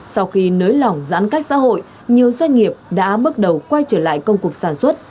sau khi nới lỏng giãn cách xã hội nhiều doanh nghiệp đã bước đầu quay trở lại công cuộc sản xuất